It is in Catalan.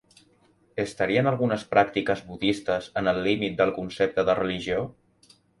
Estarien algunes pràctiques budistes en el límit del concepte de religió?